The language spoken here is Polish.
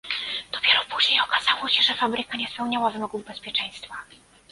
Dopiero później okazało się, że fabryka nie spełniała wymogów bezpieczeństwa